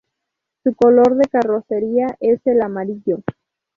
Su color de carrocería es el amarillo.